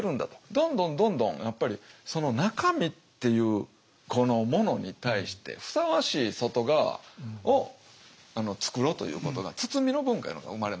どんどんどんどんやっぱりその中身っていうこのものに対してふさわしい外側を作ろうということが包みの文化いうのが生まれますよね。